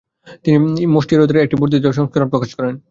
তিনি মুস্টেরিয়ুমের একটি বর্ধিত দ্বিতীয় সংস্করণ প্রকাশ করেন।